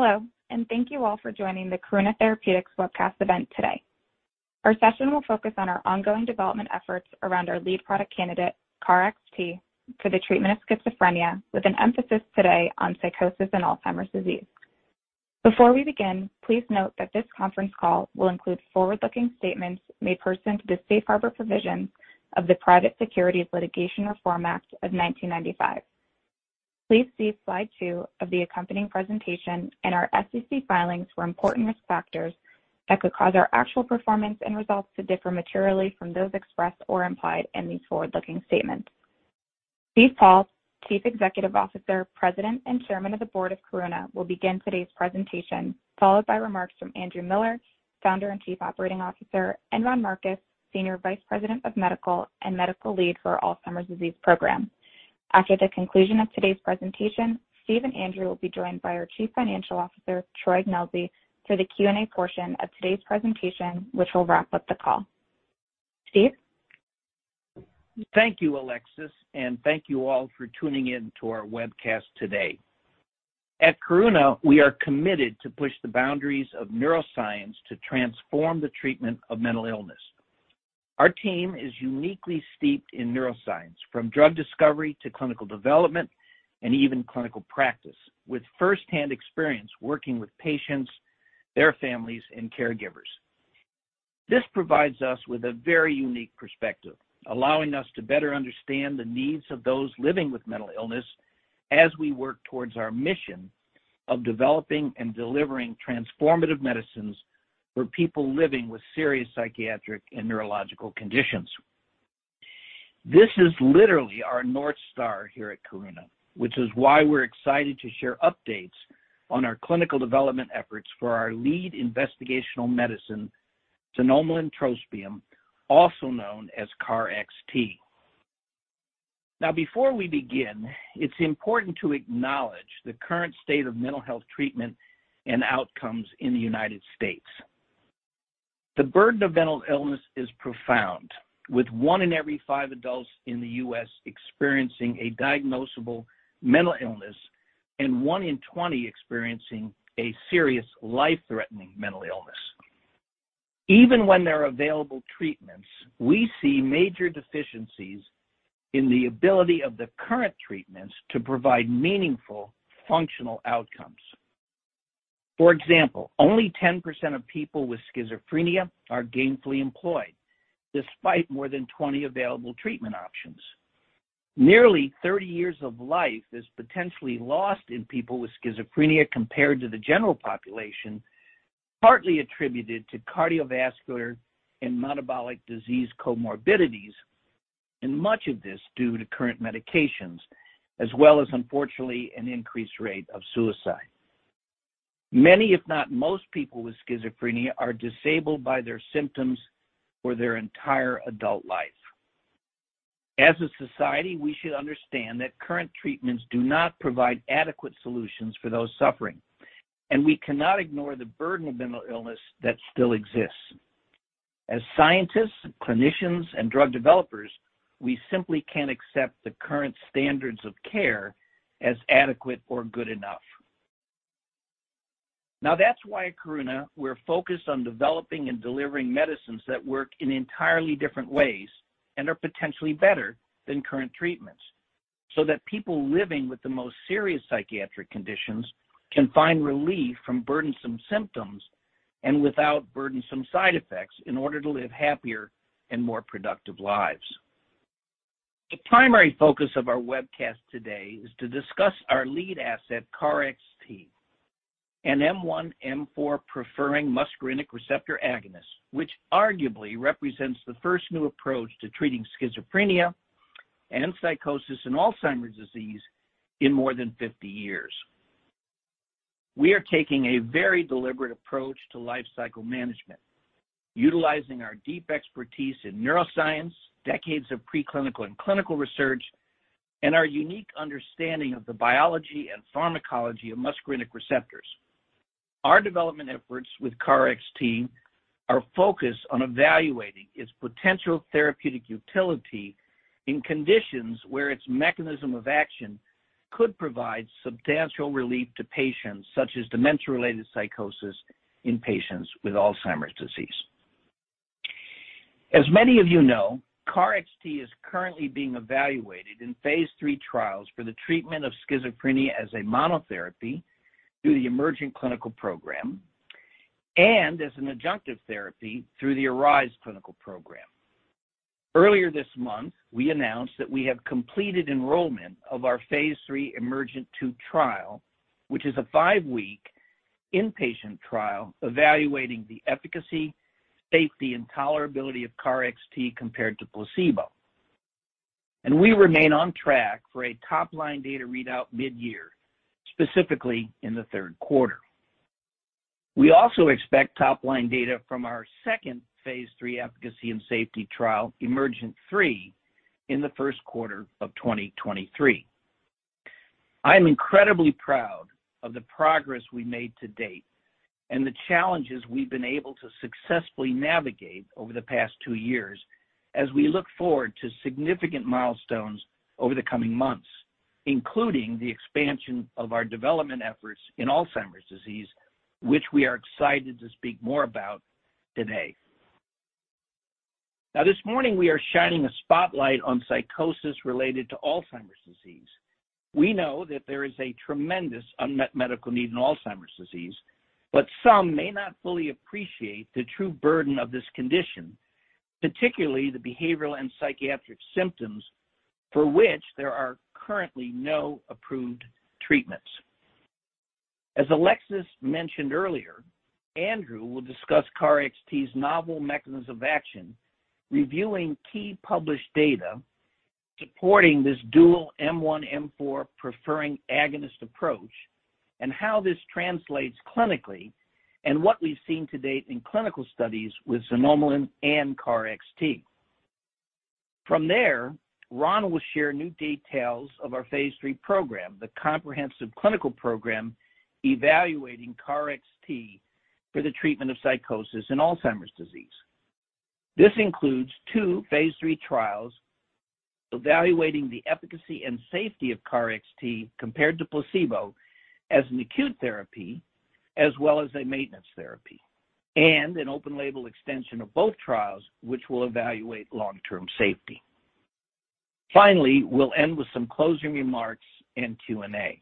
Hello, and thank you all for joining the Karuna Therapeutics Webcast event today. Our session will focus on our ongoing development efforts around our lead product candidate, KarXT, for the treatment of schizophrenia, with an emphasis today on psychosis and Alzheimer's disease. Before we begin, please note that this conference call will include forward-looking statements made pursuant to the Safe Harbor provisions of the Private Securities Litigation Reform Act of 1995. Please see slide two of the accompanying presentation and our SEC filings for important risk factors that could cause our actual performance and results to differ materially from those expressed or implied in these forward-looking statements. Steve Paul, Chief Executive Officer, President, and Chairman of the Board of Karuna, will begin today's presentation, followed by remarks from Andrew Miller, Founder and Chief Operating Officer, and Ron Marcus, Senior Vice President of Medical and Medical Lead for Alzheimer's Disease Program. After the conclusion of today's presentation, Steve and Andrew will be joined by our Chief Financial Officer, Troy Ignelzi, for the Q&A portion of today's presentation, which will wrap up the call. Steve. Thank you, Alexis, and thank you all for tuning in to our webcast today. At Karuna, we are committed to push the boundaries of neuroscience to transform the treatment of mental illness. Our team is uniquely steeped in neuroscience, from drug discovery to clinical development and even clinical practice, with first-hand experience working with patients, their families, and caregivers. This provides us with a very unique perspective, allowing us to better understand the needs of those living with mental illness as we work towards our mission of developing and delivering transformative medicines for people living with serious psychiatric and neurological conditions. This is literally our North Star here at Karuna, which is why we're excited to share updates on our clinical development efforts for our lead investigational medicine, xanomeline-trospium, also known as KarXT. Now, before we begin, it's important to acknowledge the current state of mental health treatment and outcomes in the United States. The burden of mental illness is profound, with one in every five adults in the U.S. experiencing a diagnosable mental illness and one in twenty experiencing a serious, life-threatening mental illness. Even when there are available treatments, we see major deficiencies in the ability of the current treatments to provide meaningful, functional outcomes. For example, only 10% of people with schizophrenia are gainfully employed, despite more than 20 available treatment options. Nearly 30 years of life is potentially lost in people with schizophrenia compared to the general population, partly attributed to cardiovascular and metabolic disease comorbidities, and much of this due to current medications as well as, unfortunately, an increased rate of suicide. Many, if not most, people with schizophrenia are disabled by their symptoms for their entire adult life. As a society, we should understand that current treatments do not provide adequate solutions for those suffering, and we cannot ignore the burden of mental illness that still exists. As scientists, clinicians, and drug developers, we simply can't accept the current standards of care as adequate or good enough. Now, that's why at Karuna we're focused on developing and delivering medicines that work in entirely different ways and are potentially better than current treatments, so that people living with the most serious psychiatric conditions can find relief from burdensome symptoms and without burdensome side effects in order to live happier and more productive lives. The primary focus of our webcast today is to discuss our lead asset, KarXT, an M1 M4-preferring muscarinic receptor agonist, which arguably represents the first new approach to treating schizophrenia and psychosis in Alzheimer's disease in more than 50 years. We are taking a very deliberate approach to lifecycle management, utilizing our deep expertise in neuroscience, decades of preclinical and clinical research, and our unique understanding of the biology and pharmacology of muscarinic receptors. Our development efforts with KarXT are focused on evaluating its potential therapeutic utility in conditions where its mechanism of action could provide substantial relief to patients, such as dementia-related psychosis in patients with Alzheimer's disease. Many of you know, KarXT is currently being evaluated in phase III trials for the treatment of schizophrenia as a monotherapy through the EMERGENT clinical program and as an adjunctive therapy through the ARISE clinical program. Earlier this month, we announced that we have completed enrollment of our phase III EMERGENT-2 trial, which is a five-week inpatient trial evaluating the efficacy, safety, and tolerability of KarXT compared to placebo. We remain on track for a top-line data readout mid-year, specifically in the third quarter. We also expect top-line data from our second phase III efficacy and safety trial, EMERGENT-3, in the first quarter of 2023. I am incredibly proud of the progress we made to date. The challenges we've been able to successfully navigate over the past two years as we look forward to significant milestones over the coming months, including the expansion of our development efforts in Alzheimer's disease, which we are excited to speak more about today. Now, this morning, we are shining a spotlight on psychosis related to Alzheimer's disease. We know that there is a tremendous unmet medical need in Alzheimer's disease, but some may not fully appreciate the true burden of this condition, particularly the behavioral and psychiatric symptoms for which there are currently no approved treatments. As Alexis mentioned earlier, Andrew will discuss KarXT's novel mechanism of action, reviewing key published data supporting this dual M1 M4 preferring agonist approach and how this translates clinically and what we've seen to date in clinical studies with xanomeline and KarXT. From there, Ron will share new details of our phase III program, the comprehensive clinical program evaluating KarXT for the treatment of psychosis in Alzheimer's disease. This includes two phase III trials evaluating the efficacy and safety of KarXT compared to placebo as an acute therapy as well as a maintenance therapy, and an open label extension of both trials, which will evaluate long-term safety. Finally, we'll end with some closing remarks and Q&A.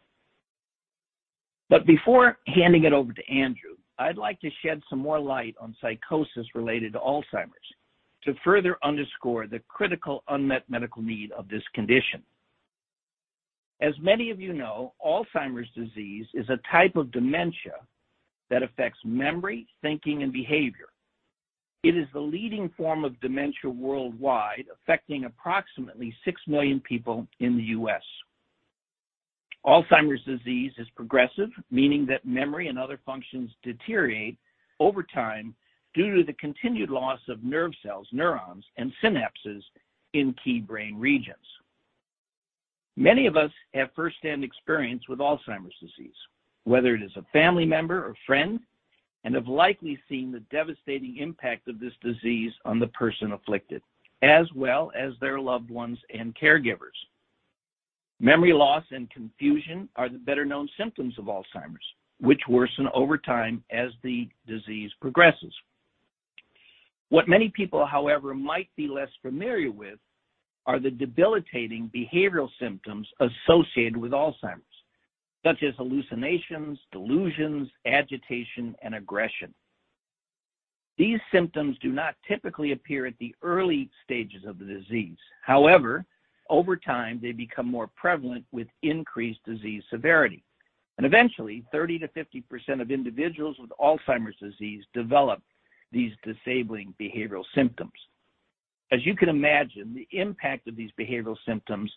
Before handing it over to Andrew, I'd like to shed some more light on psychosis related to Alzheimer's to further underscore the critical unmet medical need of this condition. As many of you know, Alzheimer's disease is a type of dementia that affects memory, thinking, and behavior. It is the leading form of dementia worldwide, affecting approximately 6 million people in the U.S. Alzheimer's disease is progressive, meaning that memory and other functions deteriorate over time due to the continued loss of nerve cells, neurons, and synapses in key brain regions. Many of us have firsthand experience with Alzheimer's disease, whether it is a family member or friend, and have likely seen the devastating impact of this disease on the person afflicted, as well as their loved ones and caregivers. Memory loss and confusion are the better known symptoms of Alzheimer's, which worsen over time as the disease progresses. What many people, however, might be less familiar with are the debilitating behavioral symptoms associated with Alzheimer's, such as hallucinations, delusions, agitation, and aggression. These symptoms do not typically appear at the early stages of the disease. However, over time, they become more prevalent with increased disease severity. Eventually, 30%-50% of individuals with Alzheimer's disease develop these disabling behavioral symptoms. As you can imagine, the impact of these behavioral symptoms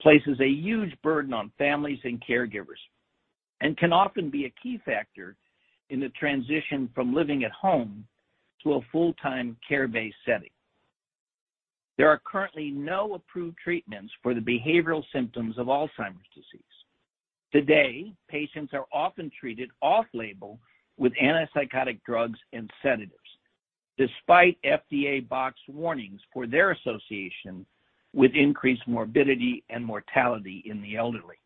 places a huge burden on families and caregivers and can often be a key factor in the transition from living at home to a full-time care-based setting. There are currently no approved treatments for the behavioral symptoms of Alzheimer's disease. Today, patients are often treated off-label with antipsychotic drugs and sedatives, despite FDA box warnings for their association with increased morbidity and mortality in the elderly.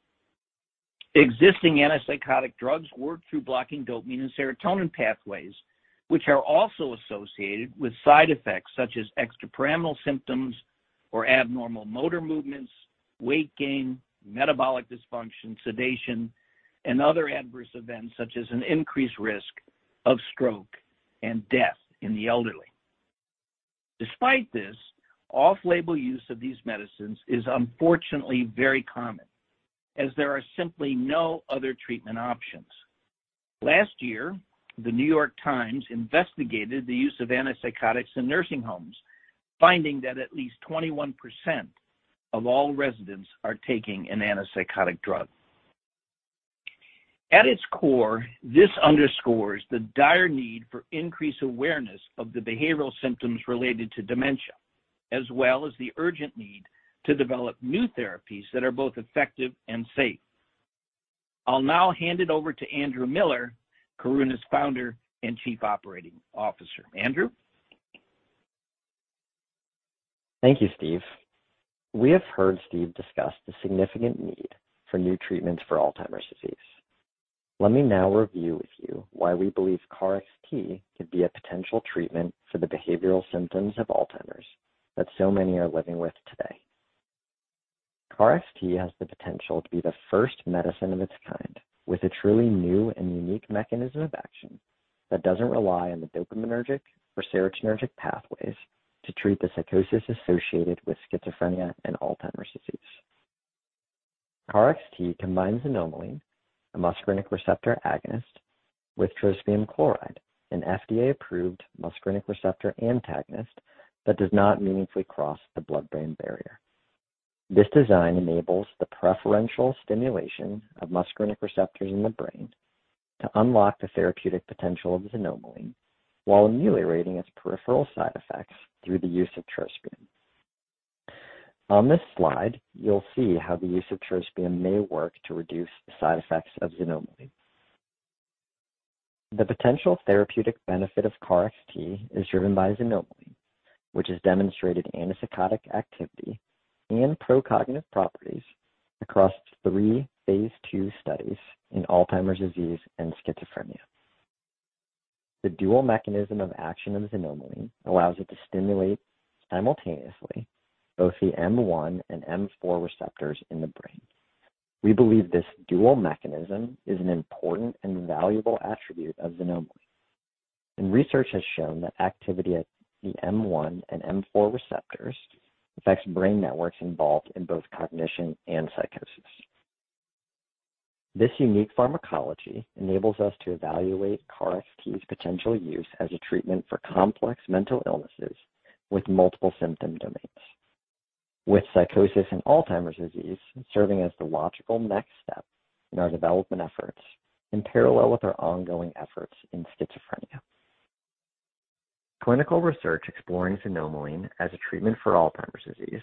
Existing antipsychotic drugs work through blocking dopamine and serotonin pathways, which are also associated with side effects such as extrapyramidal symptoms or abnormal motor movements, weight gain, metabolic dysfunction, sedation, and other adverse events, such as an increased risk of stroke and death in the elderly. Despite this, off-label use of these medicines is unfortunately very common as there are simply no other treatment options. Last year, The New York Times investigated the use of antipsychotics in nursing homes, finding that at least 21% of all residents are taking an antipsychotic drug. At its core, this underscores the dire need for increased awareness of the behavioral symptoms related to dementia, as well as the urgent need to develop new therapies that are both effective and safe. I'll now hand it over to Andrew Miller, Karuna's Founder and Chief Operating Officer. Andrew? Thank you, Steve. We have heard Steve discuss the significant need for new treatments for Alzheimer's disease. Let me now review with you why we believe KarXT could be a potential treatment for the behavioral symptoms of Alzheimer's that so many are living with today. KarXT has the potential to be the first medicine of its kind with a truly new and unique mechanism of action that doesn't rely on the dopaminergic or serotonergic pathways to treat the psychosis associated with schizophrenia and Alzheimer's disease. KarXT combines xanomeline, a muscarinic receptor agonist, with trospium chloride, an FDA-approved muscarinic receptor antagonist that does not meaningfully cross the blood-brain barrier. This design enables the preferential stimulation of muscarinic receptors in the brain to unlock the therapeutic potential of the xanomeline while ameliorating its peripheral side effects through the use of trospium. On this slide, you'll see how the use of trospium may work to reduce the side effects of xanomeline. The potential therapeutic benefit of KarXT is driven by xanomeline, which has demonstrated antipsychotic activity and pro-cognitive properties across three phase II studies in Alzheimer's disease and schizophrenia. The dual mechanism of action of xanomeline allows it to stimulate simultaneously both the M1 and M4 receptors in the brain. We believe this dual mechanism is an important and valuable attribute of xanomeline, and research has shown that activity at the M1 and M4 receptors affects brain networks involved in both cognition and psychosis. This unique pharmacology enables us to evaluate KarXT's potential use as a treatment for complex mental illnesses with multiple symptom domains, with psychosis and Alzheimer's disease serving as the logical next step in our development efforts in parallel with our ongoing efforts in schizophrenia. Clinical research exploring xanomeline as a treatment for Alzheimer's disease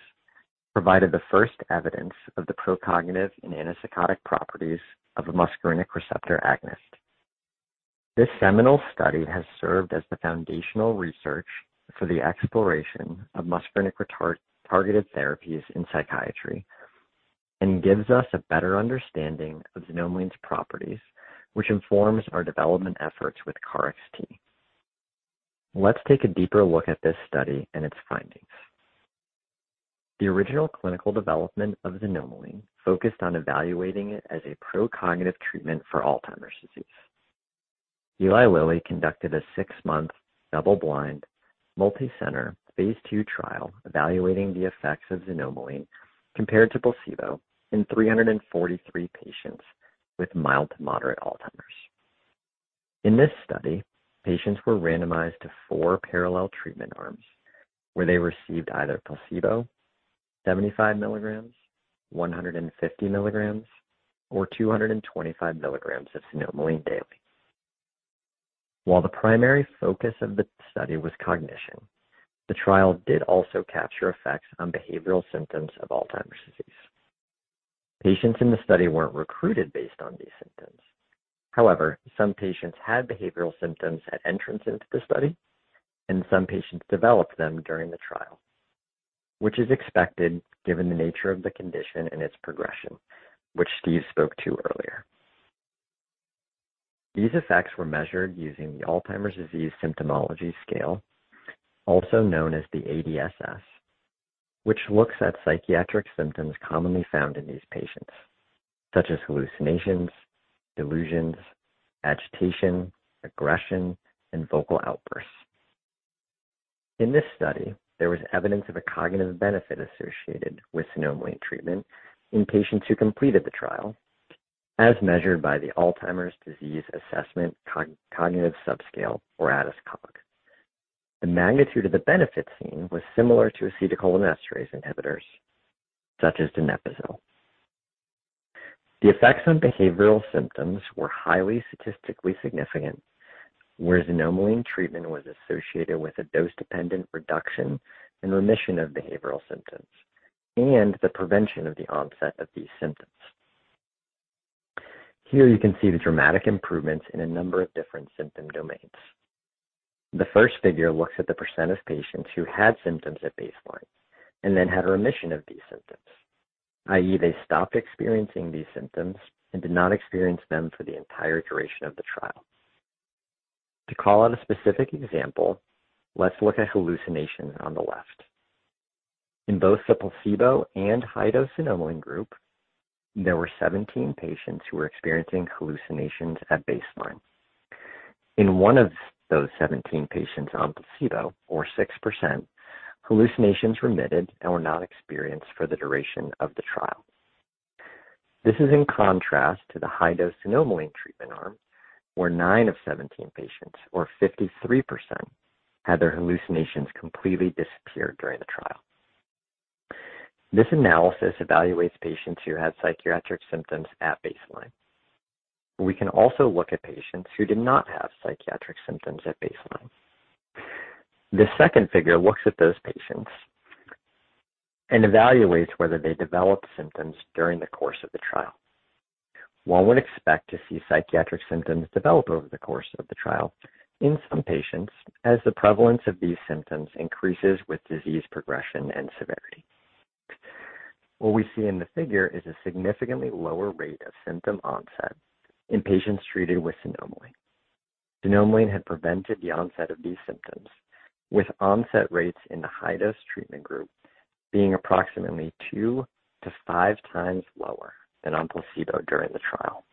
provided the first evidence of the pro-cognitive and antipsychotic properties of a muscarinic receptor agonist. This seminal study has served as the foundational research for the exploration of muscarinic receptor-targeted therapies in psychiatry and gives us a better understanding of xanomeline's properties, which informs our development efforts with KarXT. Let's take a deeper look at this study and its findings. The original clinical development of xanomeline focused on evaluating it as a pro-cognitive treatment for Alzheimer's disease. Eli Lilly conducted a six-month, double-blind, multicenter phase II trial evaluating the effects of xanomeline compared to placebo in 343 patients with mild to moderate Alzheimer's. In this study, patients were randomized to four parallel treatment arms where they received either placebo, 75 mg, 150 mg, or 225 mg of xanomeline daily. While the primary focus of the study was cognition, the trial did also capture effects on behavioral symptoms of Alzheimer's disease. Patients in the study weren't recruited based on these symptoms. However, some patients had behavioral symptoms at entrance into the study, and some patients developed them during the trial, which is expected given the nature of the condition and its progression, which Steve spoke to earlier. These effects were measured using the Alzheimer's Disease Symptomatology Scale, also known as the ADSS, which looks at psychiatric symptoms commonly found in these patients, such as hallucinations, delusions, agitation, aggression, and vocal outbursts. In this study, there was evidence of a cognitive benefit associated with xanomeline treatment in patients who completed the trial, as measured by the Alzheimer's Disease Assessment Scale-Cognitive Subscale, or ADAS-Cog. The magnitude of the benefit seen was similar to acetylcholinesterase inhibitors such as donepezil. The effects on behavioral symptoms were highly statistically significant, where xanomeline treatment was associated with a dose-dependent reduction and remission of behavioral symptoms and the prevention of the onset of these symptoms. Here you can see the dramatic improvements in a number of different symptom domains. The first figure looks at the percent of patients who had symptoms at baseline and then had a remission of these symptoms, i.e., they stopped experiencing these symptoms and did not experience them for the entire duration of the trial. To call out a specific example, let's look at hallucinations on the left. In both the placebo and high-dose xanomeline group, there were 17 patients who were experiencing hallucinations at baseline. In one of those 17 patients on placebo, or 6%, hallucinations remitted and were not experienced for the duration of the trial. This is in contrast to the high-dose xanomeline treatment arm, where nine of 17 patients, or 53%, had their hallucinations completely disappear during the trial. This analysis evaluates patients who had psychiatric symptoms at baseline. We can also look at patients who did not have psychiatric symptoms at baseline. The second figure looks at those patients and evaluates whether they developed symptoms during the course of the trial. One would expect to see psychiatric symptoms develop over the course of the trial in some patients as the prevalence of these symptoms increases with disease progression and severity. What we see in the figure is a significantly lower rate of symptom onset in patients treated with xanomeline. Xanomeline had prevented the onset of these symptoms, with onset rates in the high-dose treatment group being approximately two to five times lower than on placebo during the trial.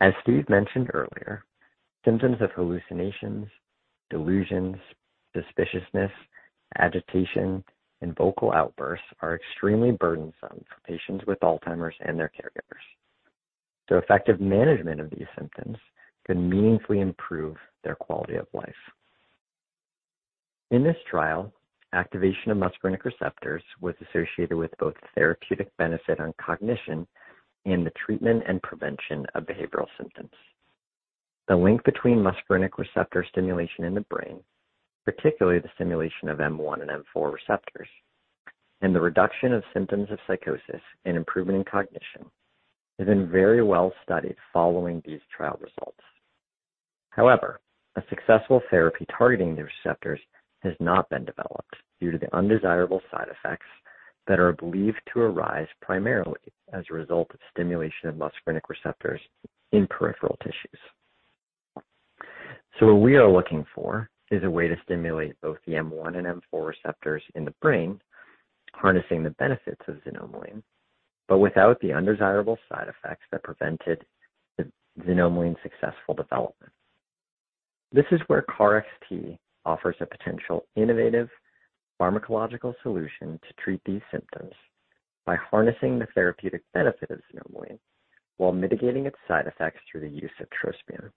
As Steve mentioned earlier, symptoms of hallucinations, delusions, suspiciousness, agitation, and vocal outbursts are extremely burdensome for patients with Alzheimer's and their caregivers, so effective management of these symptoms can meaningfully improve their quality of life. In this trial, activation of muscarinic receptors was associated with both therapeutic benefit on cognition and the treatment and prevention of behavioral symptoms. The link between muscarinic receptor stimulation in the brain, particularly the stimulation of M1 and M4 receptors, and the reduction of symptoms of psychosis and improvement in cognition, has been very well studied following these trial results. However, a successful therapy targeting the receptors has not been developed due to the undesirable side effects that are believed to arise primarily as a result of stimulation of muscarinic receptors in peripheral tissues. What we are looking for is a way to stimulate both the M1 and M4 receptors in the brain, harnessing the benefits of xanomeline, but without the undesirable side effects that prevented the xanomeline successful development. This is where KarXT offers a potential innovative pharmacological solution to treat these symptoms by harnessing the therapeutic benefit of xanomeline while mitigating its side effects through the use of trospium.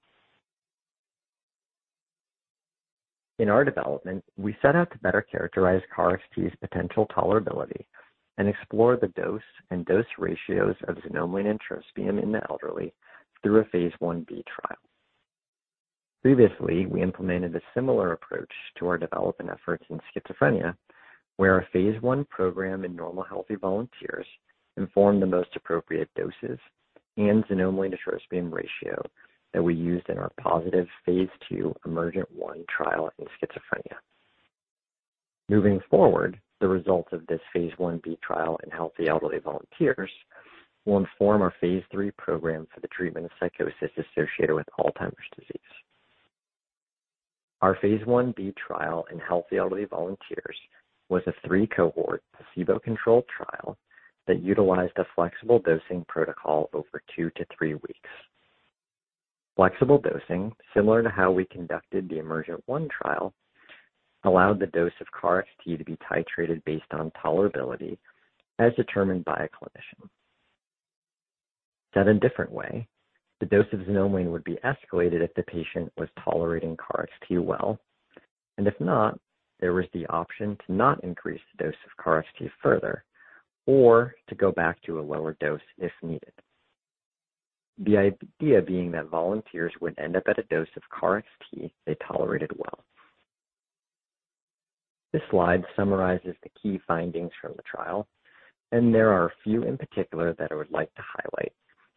In our development, we set out to better characterize KarXT's potential tolerability and explore the dose and dose ratios of xanomeline and trospium in the elderly through a phase Ib trial. Previously, we implemented a similar approach to our development efforts in schizophrenia, where a phase I program in normal healthy volunteers informed the most appropriate doses and xanomeline to trospium ratio that we used in our positive phase II EMERGENT-1 trial in schizophrenia. Moving forward, the results of this phase Ib trial in healthy elderly volunteers will inform our phase III program for the treatment of psychosis associated with Alzheimer's disease. Our phase Ib trial in healthy elderly volunteers was a three cohort placebo-controlled trial that utilized a flexible dosing protocol over two to three weeks. Flexible dosing, similar to how we conducted the EMERGENT-1 trial, allowed the dose of KarXT to be titrated based on tolerability as determined by a clinician. Said a different way, the dose of xanomeline would be escalated if the patient was tolerating KarXT well, and if not, there was the option to not increase the dose of KarXT further or to go back to a lower dose if needed. The idea being that volunteers would end up at a dose of KarXT they tolerated well. This slide summarizes the key findings from the trial, and there are a few in particular that I would like to highlight,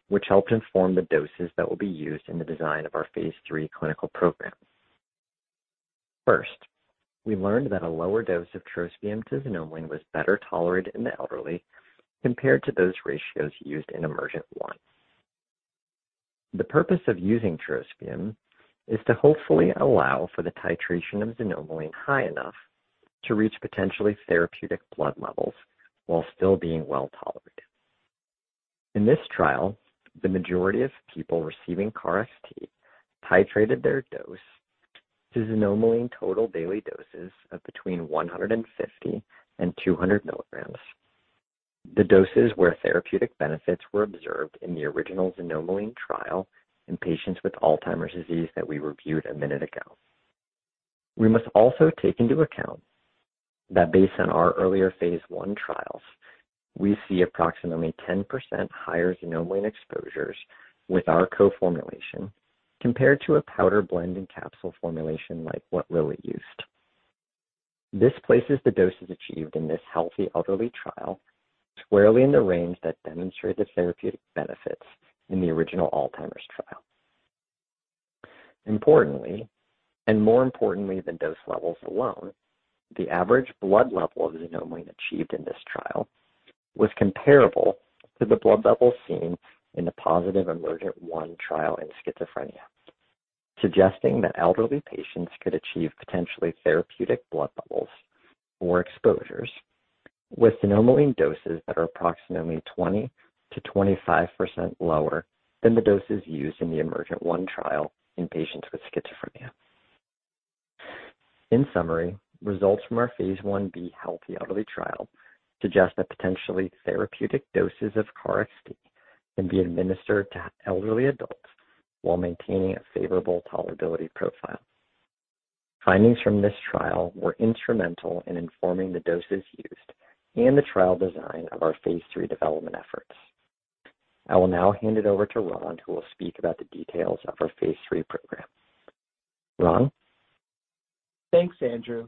which helped inform the doses that will be used in the design of our phase III clinical program. First, we learned that a lower dose of trospium to xanomeline was better tolerated in the elderly compared to those ratios used in EMERGENT-1. The purpose of using trospium is to hopefully allow for the titration of xanomeline high enough to reach potentially therapeutic blood levels while still being well-tolerated. In this trial, the majority of people receiving KarXT titrated their dose to xanomeline total daily doses of between 150 mg and 200 mg. The doses where therapeutic benefits were observed in the original xanomeline trial in patients with Alzheimer's disease that we reviewed a minute ago. We must also take into account that based on our earlier phase I trials, we see approximately 10% higher xanomeline exposures with our co-formulation compared to a powder blend and capsule formulation like what Lilly used. This places the doses achieved in this healthy elderly trial squarely in the range that demonstrated therapeutic benefits in the original Alzheimer's trial. Importantly, and more importantly than dose levels alone, the average blood level of xanomeline achieved in this trial was comparable to the blood levels seen in the positive EMERGENT-1 trial in schizophrenia, suggesting that elderly patients could achieve potentially therapeutic blood levels or exposures with xanomeline doses that are approximately 20%-25% lower than the doses used in the EMERGENT-1 trial in patients with schizophrenia. In summary, results from our phase Ib healthy elderly trial suggest that potentially therapeutic doses of KarXT can be administered to elderly adults while maintaining a favorable tolerability profile. Findings from this trial were instrumental in informing the doses used and the trial design of our phase III development efforts. I will now hand it over to Ron, who will speak about the details of our phase III program. Ron? Thanks, Andrew.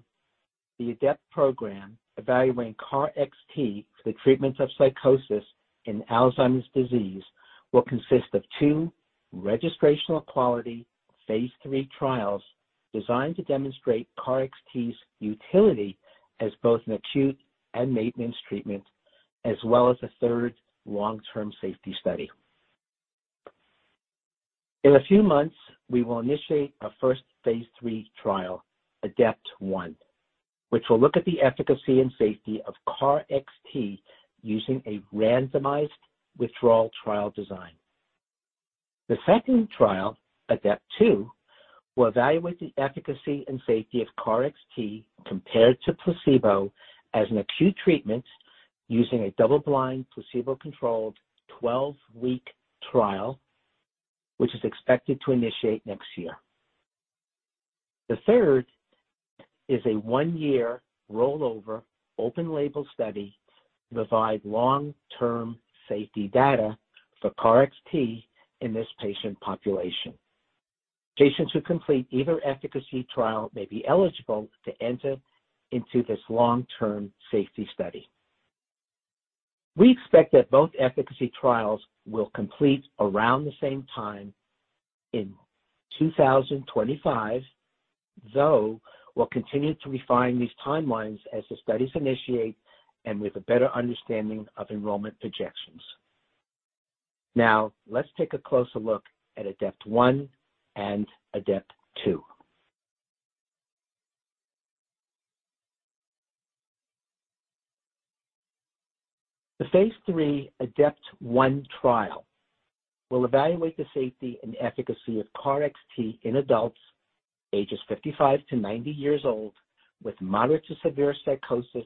The ADEPT program evaluating KarXT for the treatment of psychosis in Alzheimer's disease will consist of two registrational quality phase III trials designed to demonstrate KarXT's utility as both an acute and maintenance treatment, as well as a third long-term safety study. In a few months, we will initiate our first phase III trial, ADEPT-1, which will look at the efficacy and safety of KarXT using a randomized withdrawal trial design. The second trial, ADEPT-2, will evaluate the efficacy and safety of KarXT compared to placebo as an acute treatment using a double-blind, placebo-controlled 12-week trial, which is expected to initiate next year. The third is a one-year rollover open-label study to provide long-term safety data for KarXT in this patient population. Patients who complete either efficacy trial may be eligible to enter into this long-term safety study. We expect that both efficacy trials will complete around the same time in 2025, though we'll continue to refine these timelines as the studies initiate and with a better understanding of enrollment projections. Now, let's take a closer look at ADEPT-1 and ADEPT-2. The phase III ADEPT-1 trial will evaluate the safety and efficacy of KarXT in adults ages 55 to 90 years old with moderate to severe psychosis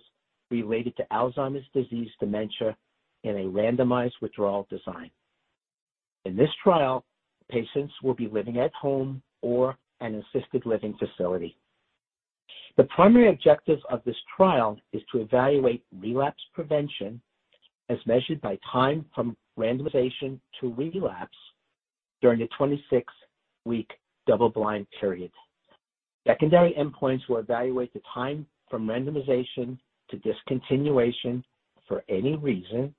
related to Alzheimer's disease dementia in a randomized withdrawal design. In this trial, patients will be living at home or an assisted living facility. The primary objective of this trial is to evaluate relapse prevention as measured by time from randomization to relapse during the 26-week double-blind period. Secondary endpoints will evaluate the time from randomization to discontinuation for any reason,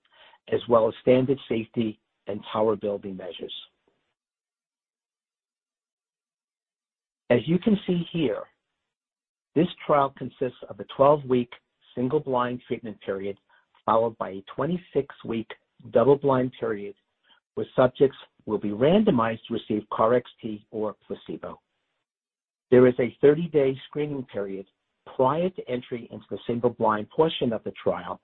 as well as standard safety and tolerability measures. As you can see here, this trial consists of a 12-week single-blind treatment period, followed by a 26-week double-blind period, where subjects will be randomized to receive KarXT or placebo. There is a 30-day screening period prior to entry into the single-blind portion of the trial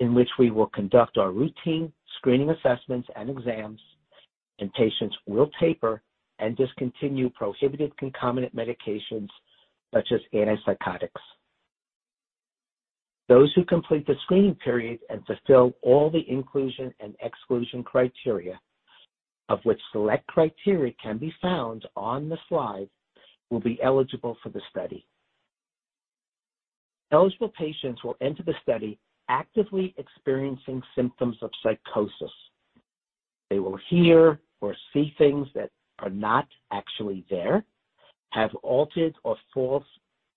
in which we will conduct our routine screening assessments and exams, and patients will taper and discontinue prohibited concomitant medications such as antipsychotics. Those who complete the screening period and fulfill all the inclusion and exclusion criteria, of which select criteria can be found on the slide, will be eligible for the study. Eligible patients will enter the study actively experiencing symptoms of psychosis. They will hear or see things that are not actually there, have altered or false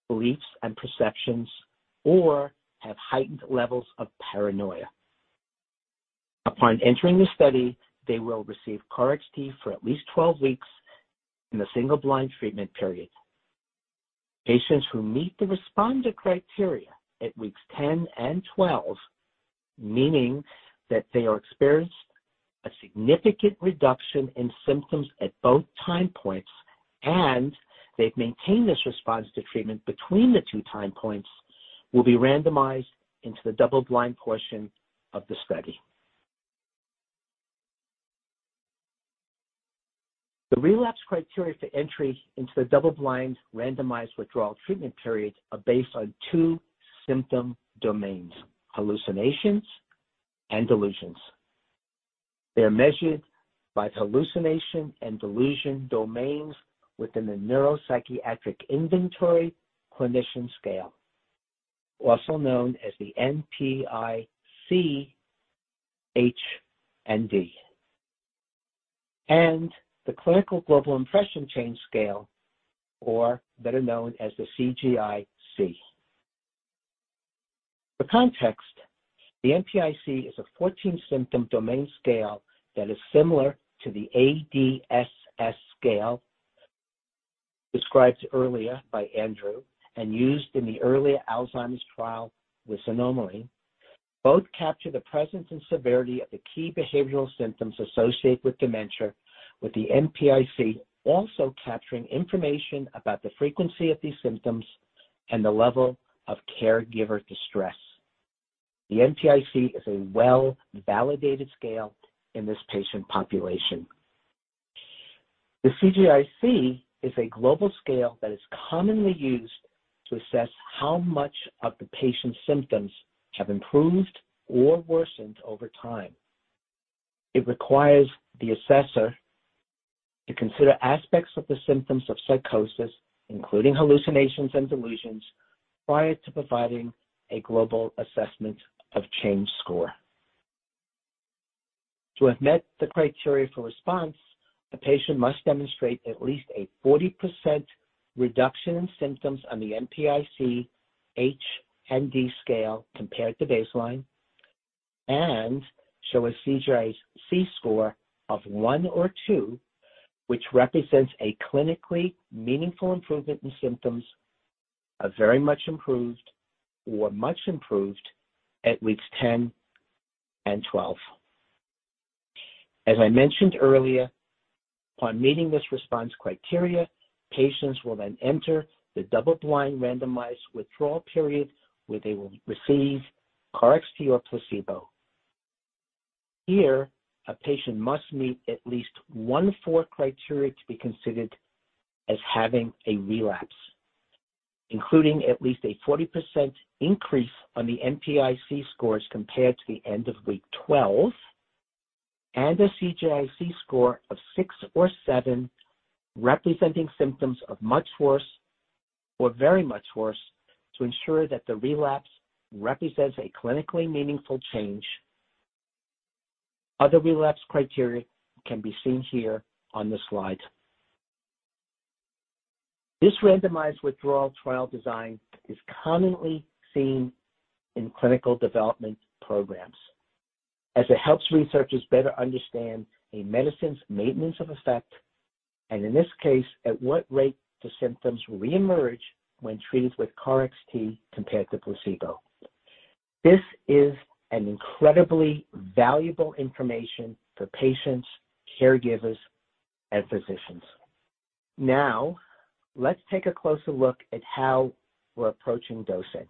beliefs and perceptions, or have heightened levels of paranoia. Upon entering the study, they will receive KarXT for at least 12 weeks in the single-blind treatment period. Patients who meet the responder criteria at weeks 10 and 12, meaning that they have experienced a significant reduction in symptoms at both time points, and they've maintained this response to treatment between the two time points, will be randomized into the double-blind portion of the study. The relapse criteria for entry into the double-blind randomized withdrawal treatment period are based on two symptom domains, hallucinations and delusions. They're measured by hallucination and delusion domains within the Neuropsychiatric Inventory-Clinician scale, also known as the NPI-C H+D, and the Clinical Global Impression-Change scale, or better known as the CGI-C. For context, the NPI-C is a 14-symptom domain scale that is similar to the ADSS scale described earlier by Andrew and used in the earlier Alzheimer's trial with xanomeline. Both capture the presence and severity of the key behavioral symptoms associated with dementia with the NPI-C also capturing information about the frequency of these symptoms and the level of caregiver distress. The NPI-C is a well-validated scale in this patient population. The CGI-C is a global scale that is commonly used to assess how much of the patient's symptoms have improved or worsened over time. It requires the assessor to consider aspects of the symptoms of psychosis, including hallucinations and delusions, prior to providing a global assessment of change score. To have met the criteria for response, a patient must demonstrate at least a 40% reduction in symptoms on the NPI-C H+D scale compared to baseline and show a CGI-C score of one or two, which represents a clinically meaningful improvement in symptoms of very much improved or much improved at weeks 10 and 12. As I mentioned earlier, upon meeting this response criteria, patients will then enter the double-blind randomized withdrawal period where they will receive KarXT or placebo. Here, a patient must meet at least one of four criteria to be considered as having a relapse, including at least a 40% increase on the NPI-C scores compared to the end of week 12, and a CGIC score of six or seven, representing symptoms of much worse or very much worse to ensure that the relapse represents a clinically meaningful change. Other relapse criteria can be seen here on the slide. This randomized withdrawal trial design is commonly seen in clinical development programs as it helps researchers better understand a medicine's maintenance of effect, and in this case, at what rate the symptoms reemerge when treated with KarXT compared to placebo. This is an incredibly valuable information for patients, caregivers, and physicians. Now, let's take a closer look at how we're approaching dosing.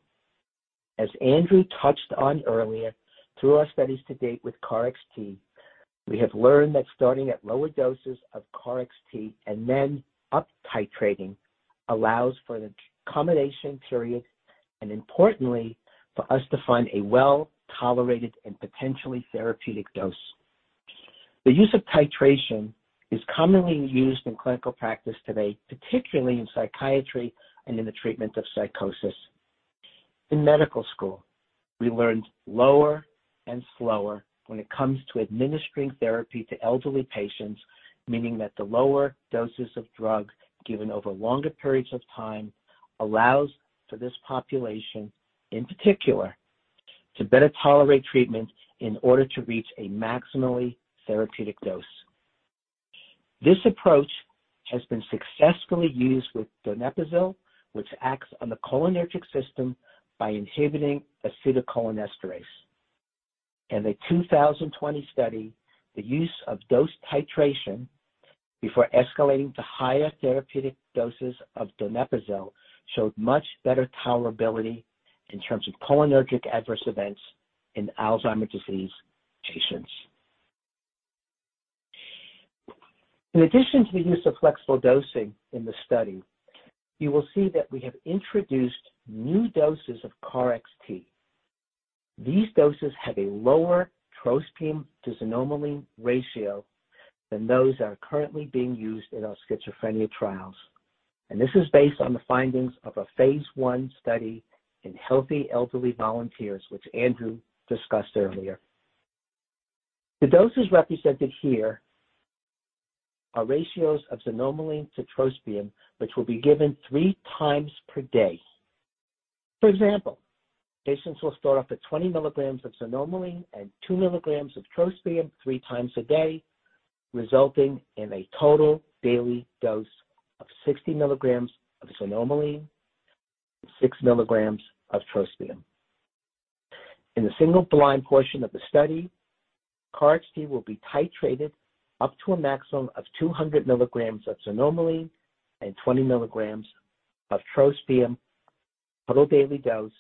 As Andrew touched on earlier, through our studies to date with KarXT, we have learned that starting at lower doses of KarXT and then uptitrating allows for an accommodation period, and importantly, for us to find a well-tolerated and potentially therapeutic dose. The use of titration is commonly used in clinical practice today, particularly in psychiatry and in the treatment of psychosis. In medical school, we learned lower and slower when it comes to administering therapy to elderly patients, meaning that the lower doses of drug given over longer periods of time allows for this population, in particular, to better tolerate treatment in order to reach a maximally therapeutic dose. This approach has been successfully used with donepezil, which acts on the cholinergic system by inhibiting acetylcholinesterase. In a 2020 study, the use of dose titration before escalating to higher therapeutic doses of donepezil showed much better tolerability in terms of cholinergic adverse events in Alzheimer's disease patients. In addition to the use of flexible dosing in the study, you will see that we have introduced new doses of KarXT. These doses have a lower trospium-xanomeline ratio than those that are currently being used in our schizophrenia trials. This is based on the findings of a phase I study in healthy elderly volunteers, which Andrew discussed earlier. The doses represented here are ratios of xanomeline to trospium, which will be given three times per day. For example, patients will start off at 20 mg of xanomeline and 2 mg of trospium three times a day, resulting in a total daily dose of 60 mg of xanomeline and 6 mg of trospium. In the single-blind portion of the study, KarXT will be titrated up to a maximum of 200 mg of xanomeline and 20 mg of trospium total daily dose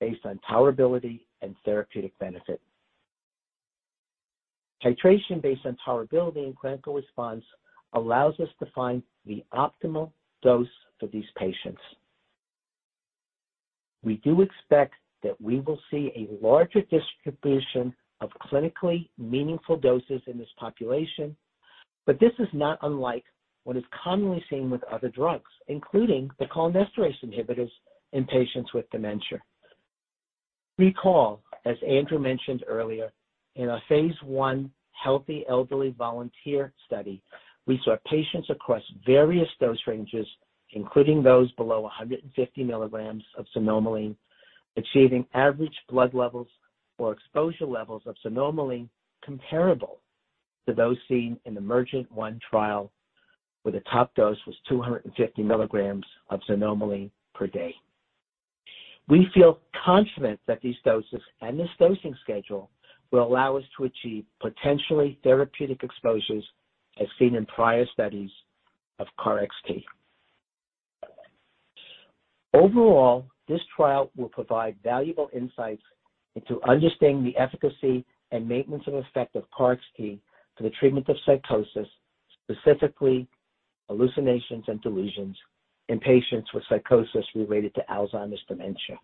based on tolerability and therapeutic benefit. Titration based on tolerability and clinical response allows us to find the optimal dose for these patients. We do expect that we will see a larger distribution of clinically meaningful doses in this population, but this is not unlike what is commonly seen with other drugs, including the cholinesterase inhibitors in patients with dementia. Recall, as Andrew mentioned earlier, in our phase I healthy elderly volunteer study, we saw patients across various dose ranges, including those below 150 mg of xanomeline, achieving average blood levels or exposure levels of xanomeline comparable to those seen in the EMERGENT-1 trial, where the top dose was 250 mg of xanomeline per day. We feel confident that these doses and this dosing schedule will allow us to achieve potentially therapeutic exposures as seen in prior studies of KarXT. Overall, this trial will provide valuable insights into understanding the efficacy and maintenance and effect of KarXT for the treatment of psychosis, specifically hallucinations and delusions in patients with psychosis related to Alzheimer's dementia.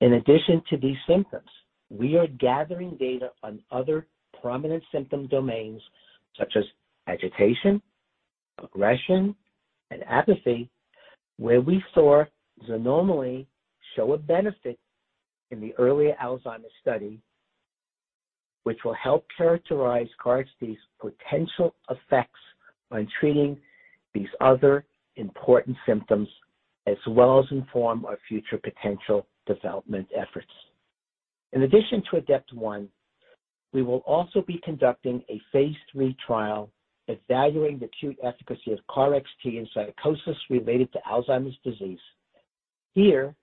In addition to these symptoms, we are gathering data on other prominent symptom domains such as agitation, aggression, and apathy, where we saw xanomeline show a benefit in the earlier Alzheimer's study, which will help characterize KarXT's potential effects on treating these other important symptoms, as well as inform our future potential development efforts. In addition to ADEPT-1, we will also be conducting a phase three trial evaluating the acute efficacy of KarXT in psychosis related to Alzheimer's disease. Here,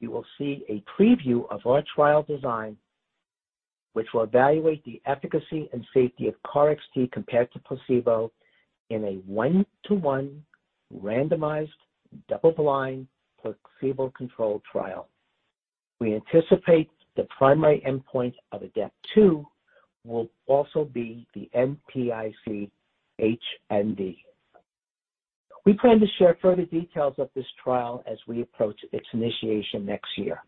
you will see a preview of our trial design, which will evaluate the efficacy and safety of KarXT compared to placebo in a one-to-one randomized double-blind placebo-controlled trial. We anticipate the primary endpoint of ADEPT-2 will also be the NPI-C H+D. We plan to share further details of this trial as we approach its initiation next year.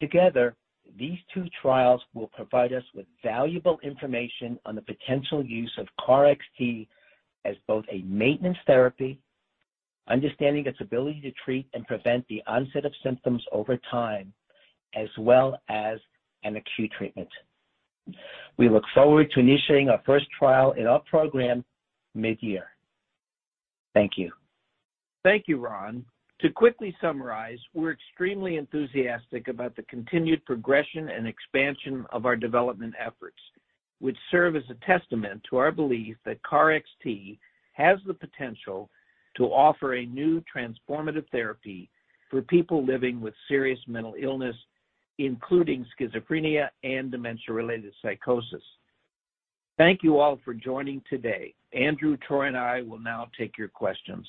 Together, these two trials will provide us with valuable information on the potential use of KarXT as both a maintenance therapy, understanding its ability to treat and prevent the onset of symptoms over time, as well as an acute treatment. We look forward to initiating our first trial in our program mid-year. Thank you. Thank you, Ron. To quickly summarize, we're extremely enthusiastic about the continued progression and expansion of our development efforts, which serve as a testament to our belief that KarXT has the potential to offer a new transformative therapy for people living with serious mental illness, including schizophrenia and dementia-related psychosis. Thank you all for joining today. Andrew, Troy and I will now take your questions.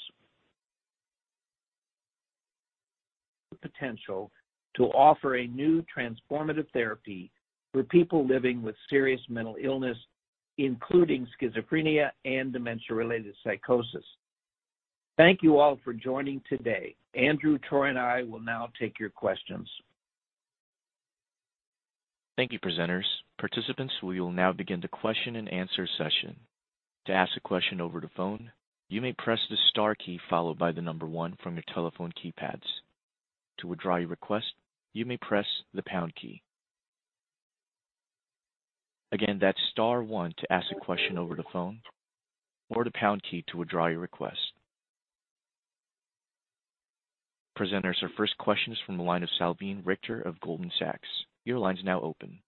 Thank you, presenters. Participants, we will now begin the question and answer session. To ask a question over the phone, you may press the star key followed by the number one from your telephone keypads. To withdraw your request, you may press the pound key. Again, that's star one to ask a question over the phone or the pound key to withdraw your request. Presenters, our first question is from the line of Salveen Richter of Goldman Sachs. Your line's now open.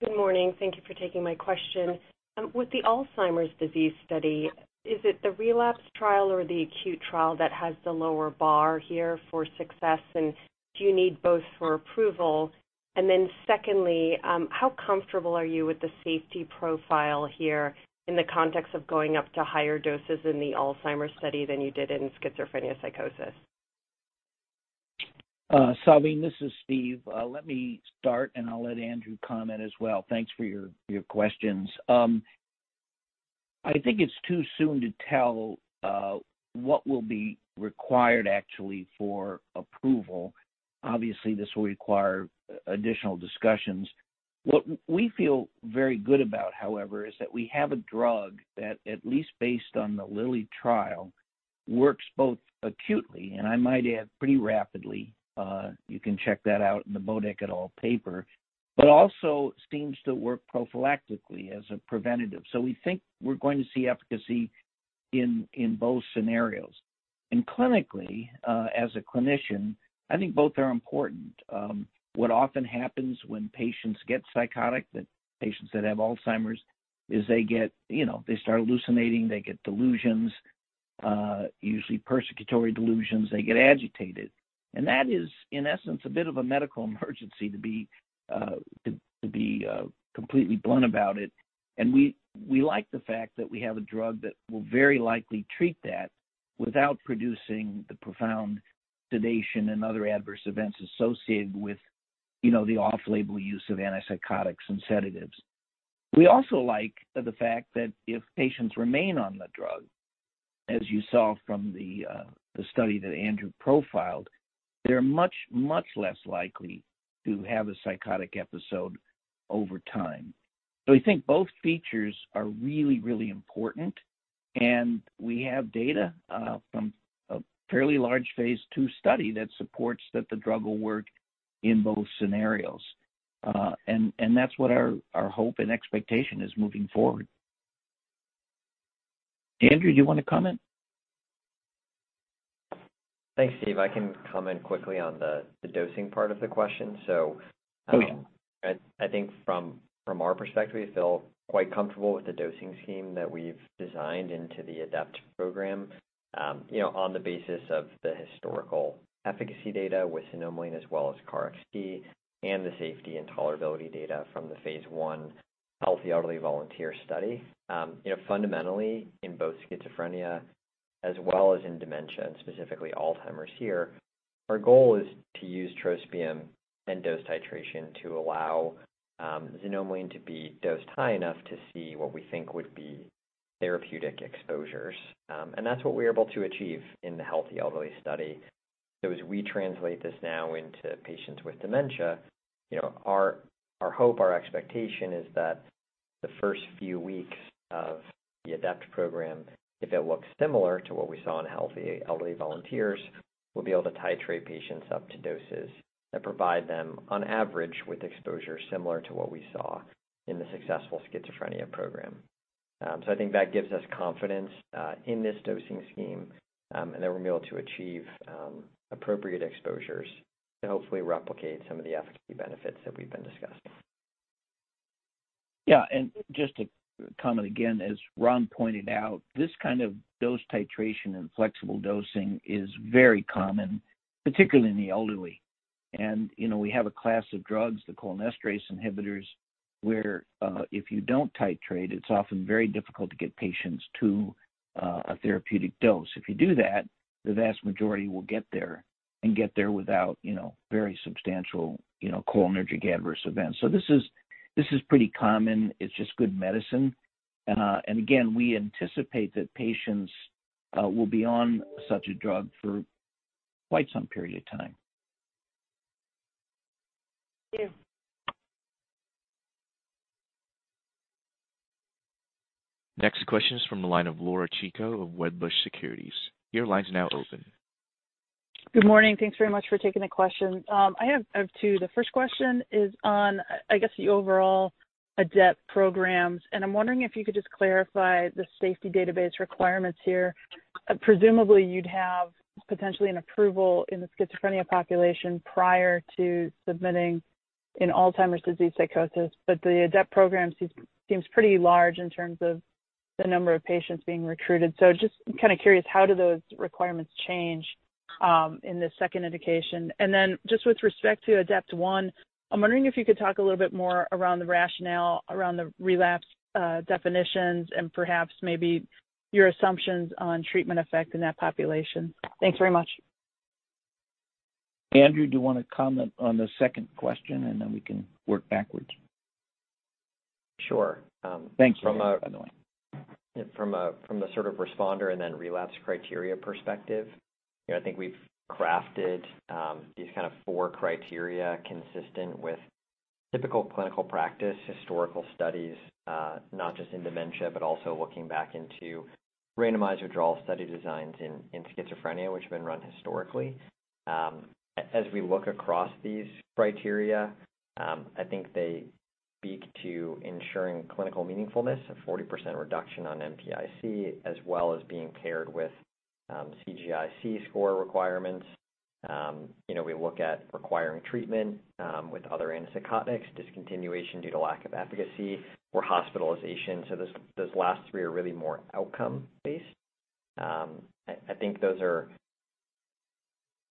Good morning. Thank you for taking my question. With the Alzheimer's disease study, is it the relapse trial or the acute trial that has the lower bar here for success? Do you need both for approval? How comfortable are you with the safety profile here in the context of going up to higher doses in the Alzheimer's study than you did in schizophrenia psychosis? Salveen, this is Steve. Let me start, and I'll let Andrew comment as well. Thanks for your questions. I think it's too soon to tell what will be required actually for approval. Obviously, this will require additional discussions. What we feel very good about, however, is that we have a drug that, at least based on the Lilly trial, works both acutely, and I might add, pretty rapidly. You can check that out in the Bodick et al. paper, but also seems to work prophylactically as a preventative. We think we're going to see efficacy in both scenarios. Clinically, as a clinician, I think both are important. What often happens when patients get psychotic, the patients that have Alzheimer's, is they get, you know, they start hallucinating, they get delusions, usually persecutory delusions, they get agitated. That is, in essence, a bit of a medical emergency to be completely blunt about it. We like the fact that we have a drug that will very likely treat that without producing the profound sedation and other adverse events associated with, you know, the off-label use of antipsychotics and sedatives. We also like the fact that if patients remain on the drug, as you saw from the study that Andrew profiled, they're much less likely to have a psychotic episode over time. We think both features are really important, and we have data from a fairly large phase two study that supports that the drug will work in both scenarios. That's what our hope and expectation is moving forward. Andrew, do you wanna comment? Thanks, Steve. I can comment quickly on the dosing part of the question. Please I think from our perspective, we feel quite comfortable with the dosing scheme that we've designed into the ADEPT program, you know, on the basis of the historical efficacy data with xanomeline as well as KarXT and the safety and tolerability data from the phase one healthy elderly volunteer study. You know, fundamentally, in both schizophrenia as well as in dementia, and specifically Alzheimer's here, our goal is to use trospium and dose titration to allow xanomeline to be dosed high enough to see what we think would be therapeutic exposures. That's what we're able to achieve in the healthy elderly study. As we translate this now into patients with dementia, you know, our hope, our expectation is that the first few weeks of the ADEPT program, if it looks similar to what we saw in healthy elderly volunteers, we'll be able to titrate patients up to doses that provide them, on average, with exposure similar to what we saw in the successful schizophrenia program. I think that gives us confidence in this dosing scheme, and that we'll be able to achieve appropriate exposures to hopefully replicate some of the efficacy benefits that we've been discussing. Yeah. Just to comment again, as Ron pointed out, this kind of dose titration and flexible dosing is very common, particularly in the elderly. You know, we have a class of drugs, the cholinesterase inhibitors, where if you don't titrate, it's often very difficult to get patients to a therapeutic dose. If you do that, the vast majority will get there without very substantial cholinergic adverse events. This is pretty common. It's just good medicine. Again, we anticipate that patients will be on such a drug for quite some period of time. Thank you. Next question is from the line of Laura Chico of Wedbush Securities. Your line is now open. Good morning. Thanks very much for taking the question. I have two. The first question is on, I guess, the overall ADEPT programs, and I'm wondering if you could just clarify the safety database requirements here. Presumably, you'd have potentially an approval in the schizophrenia population prior to submitting an Alzheimer's disease psychosis. The ADEPT programs seems pretty large in terms of the number of patients being recruited. Just kinda curious, how do those requirements change in this second indication? Just with respect to ADEPT 1, I'm wondering if you could talk a little bit more around the rationale around the relapse definitions and perhaps maybe your assumptions on treatment effect in that population. Thanks very much. Andrew, do you wanna comment on the second question, and then we can work backwards? Sure. Thanks, Steve, by the way. From the sort of responder and then relapse criteria perspective. You know, I think we've crafted these kinda four criteria consistent with typical clinical practice, historical studies, not just in dementia, but also looking back into randomized withdrawal study designs in schizophrenia, which have been run historically. As we look across these criteria, I think they speak to ensuring clinical meaningfulness, a 40% reduction on NPI-C, as well as being paired with CGI-C score requirements. You know, we look at requiring treatment with other antipsychotics, discontinuation due to lack of efficacy or hospitalization. Those last three are really more outcome-based. I think those are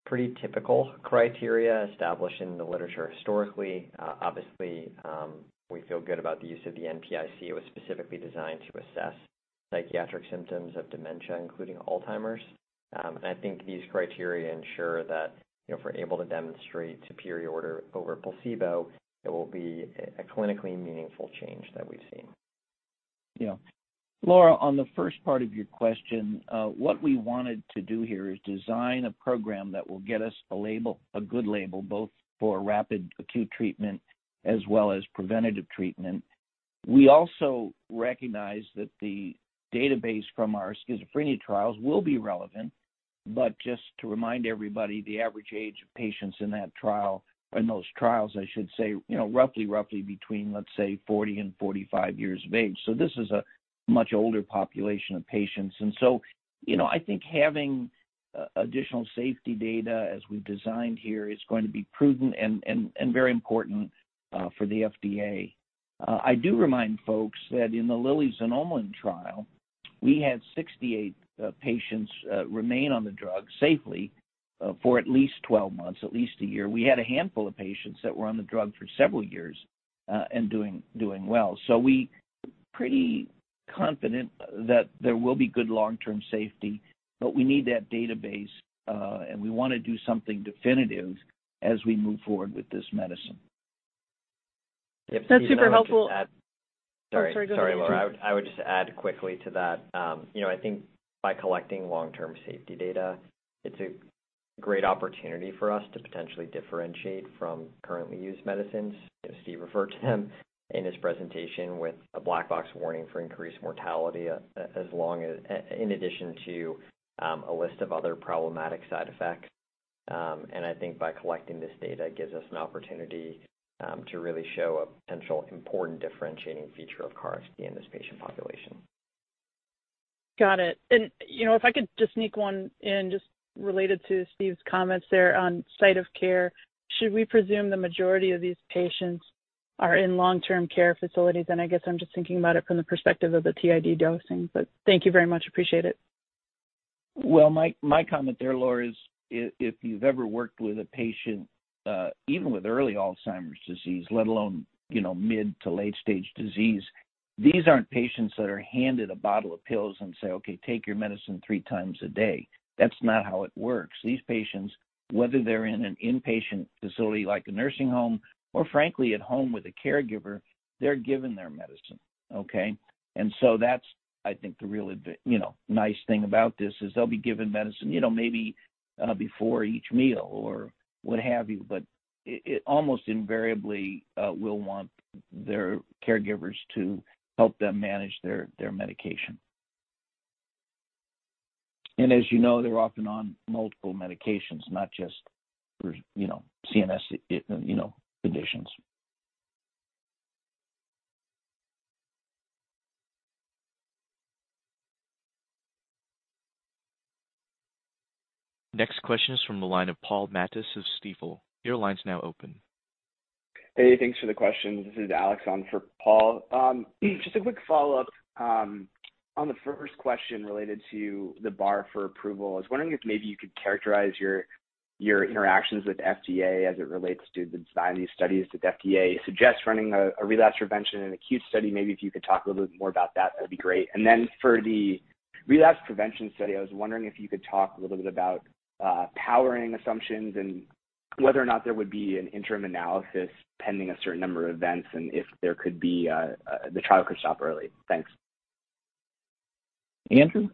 pretty typical criteria established in the literature historically. Obviously, we feel good about the use of the NPI-C. It was specifically designed to assess psychiatric symptoms of dementia, including Alzheimer's. I think these criteria ensure that, you know, if we're able to demonstrate superiority over placebo, it will be a clinically meaningful change that we've seen. Yeah. Laura, on the first part of your question, what we wanted to do here is design a program that will get us a label, a good label, both for rapid acute treatment as well as preventative treatment. We also recognize that the database from our schizophrenia trials will be relevant. Just to remind everybody, the average age of patients in that trial, in those trials, I should say, you know, roughly between, let's say, 40 and 45 years of age. This is a much older population of patients. I think having additional safety data as we've designed here is going to be prudent and very important for the FDA. I do remind folks that in the Lilly xanomeline trial, we had 68 patients remain on the drug safely for at least 12 months, at least a year. We had a handful of patients that were on the drug for several years and doing well. We pretty confident that there will be good long-term safety, but we need that database and we wanna do something definitive as we move forward with this medicine. If Steve, I'll just add. That's super helpful. Sorry. Oh, sorry, go ahead. Sorry, Laura. I would just add quickly to that. You know, I think by collecting long-term safety data, it's a great opportunity for us to potentially differentiate from currently used medicines. You know, Steve referred to them in his presentation with a black box warning for increased mortality, in addition to a list of other problematic side effects. I think by collecting this data gives us an opportunity to really show a potential important differentiating feature of KarXT in this patient population. Got it. You know, if I could just sneak one in just related to Steve's comments there on site of care. Should we presume the majority of these patients are in long-term care facilities? I guess I'm just thinking about it from the perspective of the TID dosing. Thank you very much. Appreciate it. Well, my comment there, Laura, is if you've ever worked with a patient, even with early Alzheimer's disease, let alone, you know, mid to late stage disease, these aren't patients that are handed a bottle of pills and say, "Okay, take your medicine three times a day." That's not how it works. These patients, whether they're in an inpatient facility like a nursing home or frankly at home with a caregiver, they're given their medicine. Okay? That's, I think, the real you know, nice thing about this is they'll be given medicine, you know, maybe before each meal or what have you. It almost invariably will want their caregivers to help them manage their medication. As you know, they're often on multiple medications, not just for, you know, CNS conditions. Next question is from the line of Paul Matteis of Stifel. Your line's now open. Hey, thanks for the question. This is Alex on for Paul. Just a quick follow-up on the first question related to the bar for approval. I was wondering if maybe you could characterize your interactions with FDA as it relates to the design of these studies. Did FDA suggest running a relapse prevention and acute study? Maybe if you could talk a little bit more about that'd be great. Then for the relapse prevention study. I was wondering if you could talk a little bit about powering assumptions and whether or not there would be an interim analysis pending a certain number of events, and if the trial could stop early. Thanks. Andrew?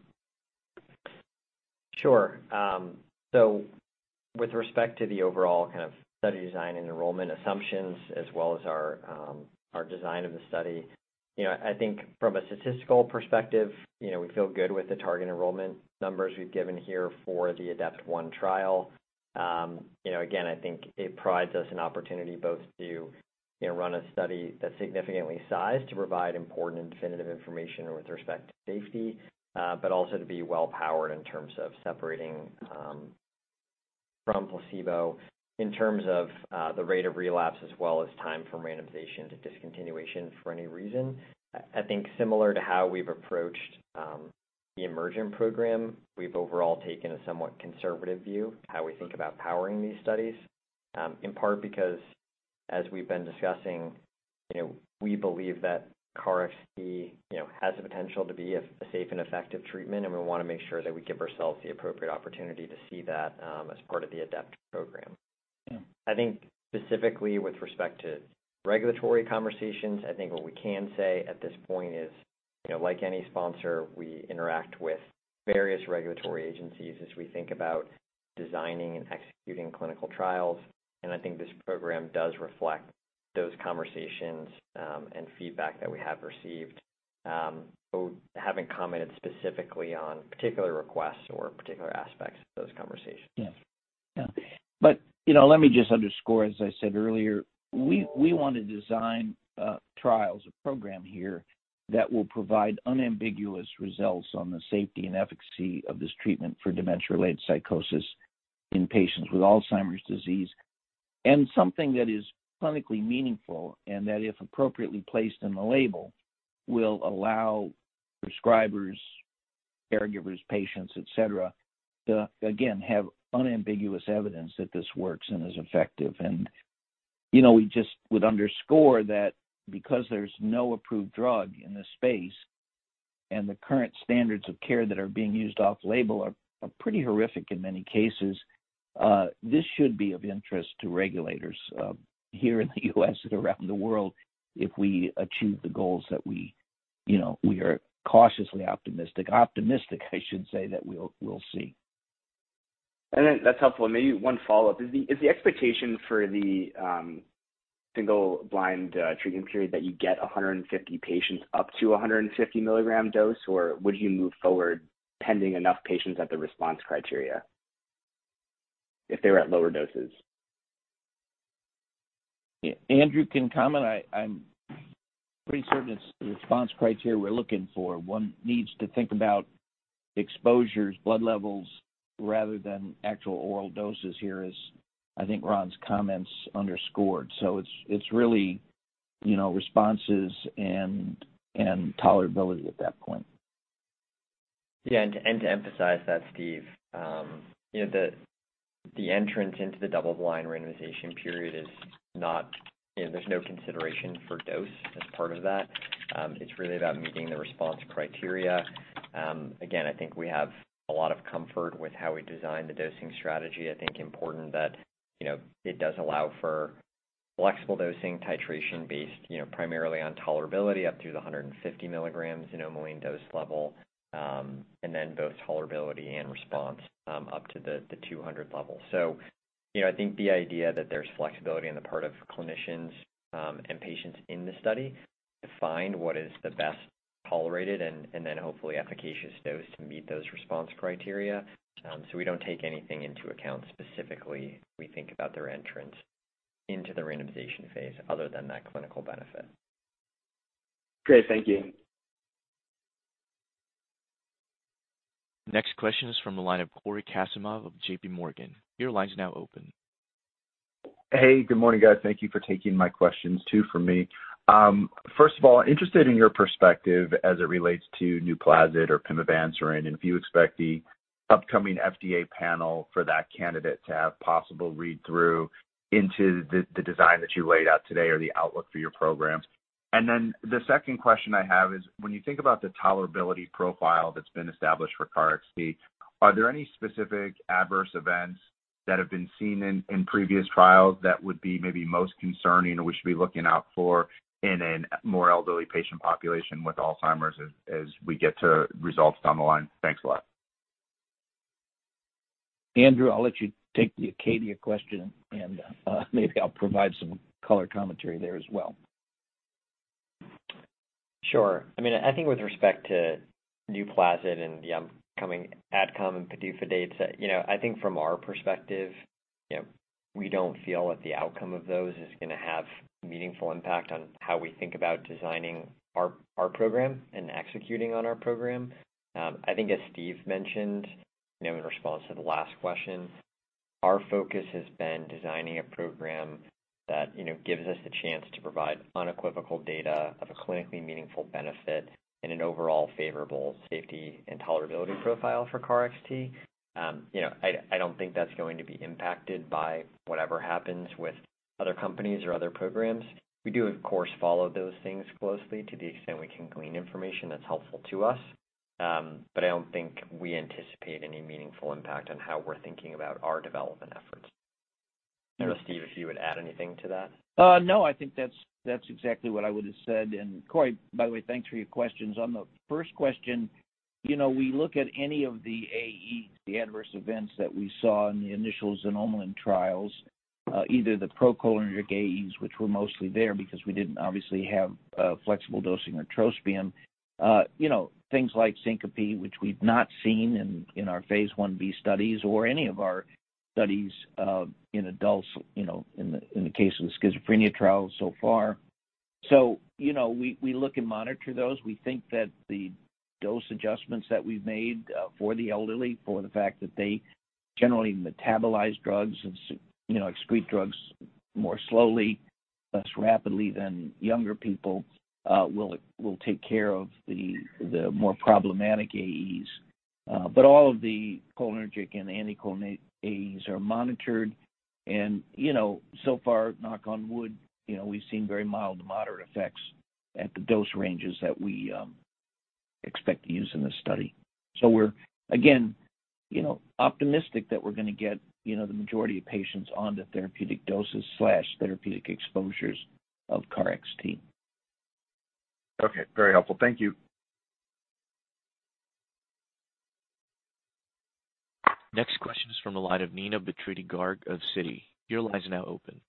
Sure. So with respect to the overall kind of study design and enrollment assumptions as well as our design of the study, you know, I think from a statistical perspective, you know, we feel good with the target enrollment numbers we've given here for the ADEPT-1 trial. You know, again, I think it provides us an opportunity both to, you know, run a study that's significantly sized to provide important and definitive information with respect to safety, but also to be well powered in terms of separating from placebo in terms of the rate of relapse as well as time from randomization to discontinuation for any reason. I think similar to how we've approached the EMERGENT program, we've overall taken a somewhat conservative view of how we think about powering these studies, in part because as we've been discussing, you know, we believe that KarXT, you know, has the potential to be a safe and effective treatment, and we wanna make sure that we give ourselves the appropriate opportunity to see that, as part of the ADEPT program. Yeah. I think specifically with respect to regulatory conversations, I think what we can say at this point is, you know, like any sponsor, we interact with various regulatory agencies as we think about designing and executing clinical trials, and I think this program does reflect those conversations, and feedback that we have received. Haven't commented specifically on particular requests or particular aspects of those conversations. Yeah. You know, let me just underscore, as I said earlier, we want to design trials, a program here that will provide unambiguous results on the safety and efficacy of this treatment for dementia-related psychosis in patients with Alzheimer's disease, and something that is clinically meaningful and that if appropriately placed in the label, will allow prescribers, caregivers, patients, et cetera, to again have unambiguous evidence that this works and is effective. You know, we just would underscore that because there's no approved drug in this space, and the current standards of care that are being used off-label are pretty horrific in many cases, this should be of interest to regulators, here in the U.S. and around the world if we achieve the goals that you know, we are cautiously optimistic, I should say, that we'll see. Then that's helpful. Maybe one follow-up. Is the expectation for the single-blind treatment period that you get 150 patients up to a 150 mg dose, or would you move forward pending enough patients at the response criteria if they were at lower doses? Yeah, Andrew can comment. I'm pretty certain it's the response criteria we're looking for. One needs to think about exposures, blood levels rather than actual oral doses here, as I think Ron's comments underscored. It's really, you know, responses and tolerability at that point. Yeah. To emphasize that, Steve, you know, the entrance into the double-blind randomization period is not, you know, there's no consideration for dose as part of that. It's really about meeting the response criteria. Again, I think we have a lot of comfort with how we design the dosing strategy. I think important that, you know, it does allow for flexible dosing titration based, you know, primarily on tolerability up to the 150 mg xanomeline dose level, and then both tolerability and response, up to the 200 level. You know, I think the idea that there's flexibility on the part of clinicians and patients in the study to find what is the best tolerated and then hopefully efficacious dose to meet those response criteria. We don't take anything into account specifically. We think about their entrance into the randomization phase other than that clinical benefit. Great. Thank you. Next question is from the line of Cory Kasimov of JPMorgan. Your line is now open. Hey, good morning, guys. Thank you for taking my questions too for me. First of all, interested in your perspective as it relates to NUPLAZID or pimavanserin, and if you expect the upcoming FDA panel for that candidate to have possible read-through into the design that you laid out today or the outlook for your programs. The second question I have is, when you think about the tolerability profile that's been established for KarXT, are there any specific adverse events that have been seen in previous trials that would be maybe most concerning or we should be looking out for in a more elderly patient population with Alzheimer's as we get to results down the line? Thanks a lot. Andrew, I'll let you take the Acadia question and, maybe I'll provide some color commentary there as well. Sure. I mean, I think with respect to Nuplazid and the upcoming AdCom and PDUFA dates, you know, I think from our perspective, you know, we don't feel that the outcome of those is gonna have meaningful impact on how we think about designing our program and executing on our program. I think as Steve mentioned, you know, in response to the last question, our focus has been designing a program that, you know, gives us the chance to provide unequivocal data of a clinically meaningful benefit in an overall favorable safety and tolerability profile for KarXT. I don't think that's going to be impacted by whatever happens with other companies or other programs. We do, of course, follow those things closely to the extent we can glean information that's helpful to us. I don't think we anticipate any meaningful impact on how we're thinking about our development efforts. I don't know, Steve, if you would add anything to that. No, I think that's exactly what I would have said. Cory, by the way, thanks for your questions. On the first question, you know, we look at any of the AEs, the adverse events that we saw in the initial xanomeline trials, either the procholinergic AEs, which were mostly there because we didn't obviously have a flexible dosing or trospium. You know, things like syncope, which we've not seen in our phase Ib studies or any of our studies in adults, you know, in the case of the schizophrenia trials so far. You know, we look and monitor those. We think that the dose adjustments that we've made for the elderly, for the fact that they generally metabolize drugs and excrete drugs more slowly, less rapidly than younger people, will take care of the more problematic AEs. But all of the cholinergic and anticholinergics are monitored and, you know, so far, knock on wood, you know, we've seen very mild to moderate effects at the dose ranges that we expect to use in this study. We're again, you know, optimistic that we're gonna get, you know, the majority of patients on the therapeutic doses, therapeutic exposures of KarXT. Okay. Very helpful. Thank you. Next question is from the line of Neena Bitritto-Garg of Citi. Your line is now open.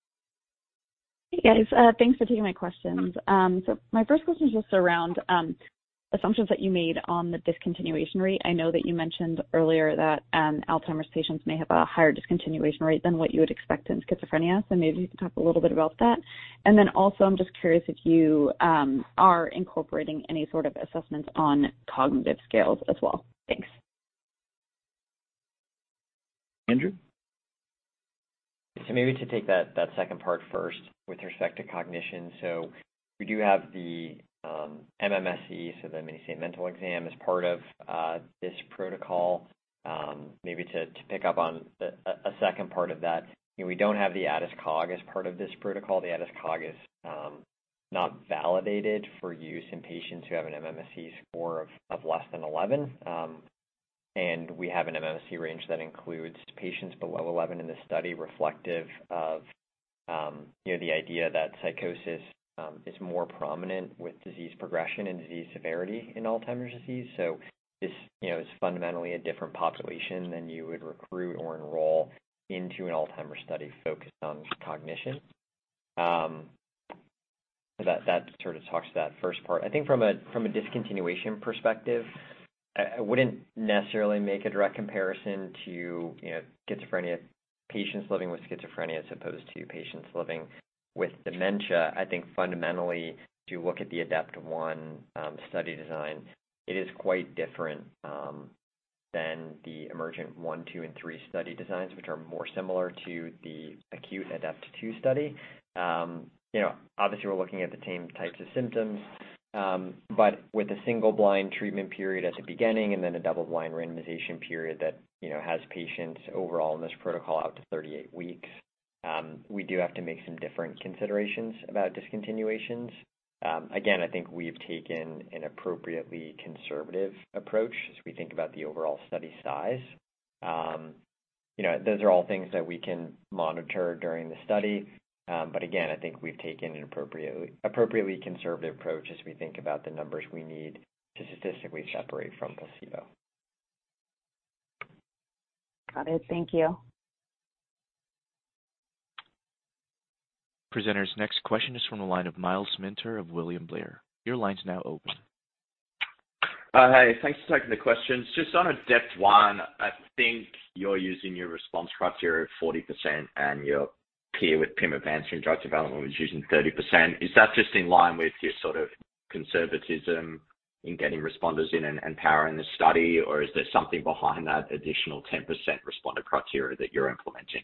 Hey, guys. Thanks for taking my questions. My first question is just around assumptions that you made on the discontinuation rate. I know that you mentioned earlier that Alzheimer's patients may have a higher discontinuation rate than what you would expect in schizophrenia. Maybe you can talk a little bit about that. Also I'm just curious if you are incorporating any sort of assessments on cognitive scales as well. Thanks. Andrew? Maybe to take that second part first with respect to cognition. We do have the MMSE, so the Mini-Mental Exam as part of this protocol. Maybe to pick up on the second part of that, you know, we don't have the ADAS-Cog as part of this protocol. The ADAS-Cog is not validated for use in patients who have an MMSE score of less than 11. And we have an MMSE range that includes patients below 11 in this study, reflective of you know, the idea that psychosis is more prominent with disease progression and disease severity in Alzheimer's disease. This, you know, is fundamentally a different population than you would recruit or enroll into an Alzheimer's study focused on cognition. That sort of talks to that first part. I think from a discontinuation perspective, I wouldn't necessarily make a direct comparison to, you know, schizophrenia patients living with schizophrenia as opposed to patients living with dementia. I think fundamentally, if you look at the ADEPT one study design, it is quite different than the EMERGENT-1, two, and three study designs, which are more similar to the acute ADEPT-2 study. You know, obviously, we're looking at the same types of symptoms, but with a single blind treatment period at the beginning and then a double blind randomization period that, you know, has patients overall in this protocol out to 38 weeks. We do have to make some different considerations about discontinuations. Again, I think we've taken an appropriately conservative approach as we think about the overall study size. You know, those are all things that we can monitor during the study. Again, I think we've taken an appropriately conservative approach as we think about the numbers we need to statistically separate from placebo. Got it. Thank you. Presenters, next question is from the line of Myles Minter of William Blair. Your line's now open. Hey, thanks for taking the questions. Just on ADEPT-1, I think you're using your response criteria of 40% and your peer with pimavanserin drug development was using 30%. Is that just in line with your sort of conservatism in getting responders in and powering the study? Or is there something behind that additional 10% responder criteria that you're implementing?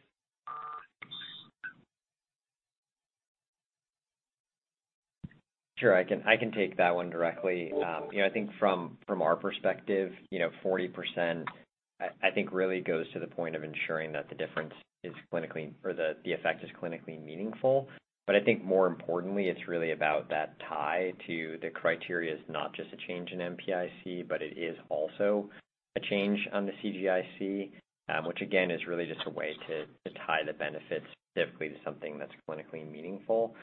Sure. I can take that one directly. You know, I think from our perspective, you know, 40% I think really goes to the point of ensuring that the difference is clinically or the effect is clinically meaningful. I think more importantly, it's really about that tie to the criteria is not just a change in NPI-C, but it is also a change on the CGI-C. Which again is really just a way to tie the benefits specifically to something that's clinically meaningful.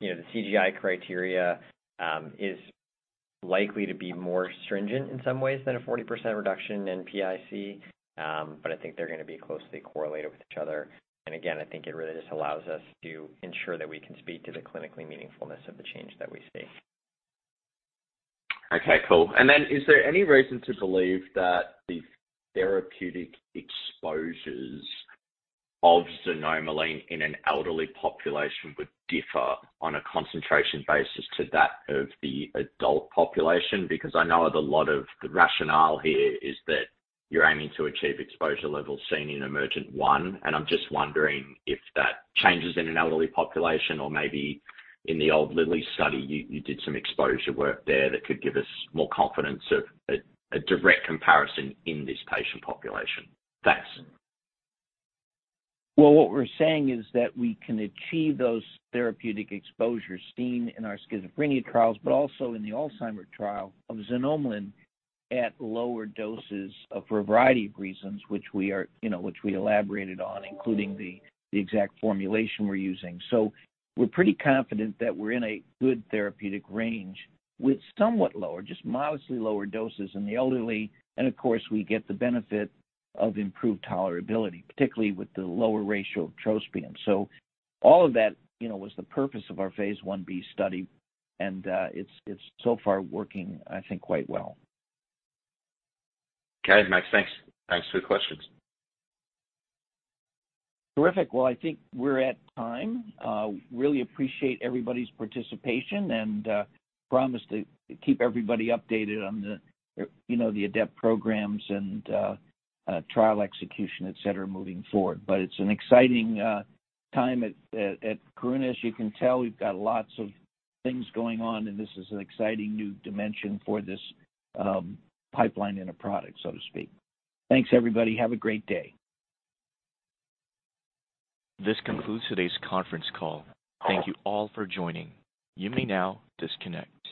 You know, the CGI-C criteria is likely to be more stringent in some ways than a 40% reduction in NPI-C. I think they're gonna be closely correlated with each other. I think it really just allows us to ensure that we can speak to the clinically meaningfulness of the change that we see. Okay. Cool. Is there any reason to believe that the therapeutic exposures of xanomeline in an elderly population would differ on a concentration basis to that of the adult population? Because I know that a lot of the rationale here is that you're aiming to achieve exposure levels seen in EMERGENT-1, and I'm just wondering if that changes in an elderly population or maybe in the old Lilly study, you did some exposure work there that could give us more confidence of a direct comparison in this patient population. Thanks. Well, what we're saying is that we can achieve those therapeutic exposures seen in our schizophrenia trials, but also in the Alzheimer's trial of xanomeline at lower doses for a variety of reasons, which we elaborated on, including the exact formulation we're using. We're pretty confident that we're in a good therapeutic range with somewhat lower, just modestly lower doses in the elderly. Of course, we get the benefit of improved tolerability, particularly with the lower ratio of trospium. All of that, you know, was the purpose of our phase one B study, and it's so far working, I think, quite well. Okay. Thanks. Thanks for the questions. Terrific. Well, I think we're at time. Really appreciate everybody's participation and promise to keep everybody updated on the, you know, the ADEPT programs and trial execution, etc., moving forward. It's an exciting time at Karuna. As you can tell, we've got lots of things going on, and this is an exciting new dimension for this pipeline in a product, so to speak. Thanks, everybody. Have a great day. This concludes today's conference call. Thank you all for joining. You may now disconnect.